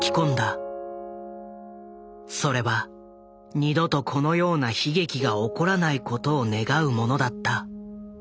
それは二度とこのような悲劇が起こらないことを願うものだった。